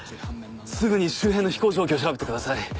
すぐに周辺の飛行状況を調べてください。